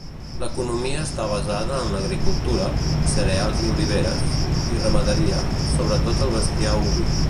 L’economia està basada en l'agricultura: cereals i oliveres; i ramaderia, sobretot el bestiar oví.